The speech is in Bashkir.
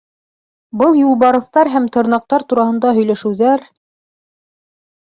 Был юлбарыҫтар һәм тырнаҡтар тураһында һөйләшеүҙәр...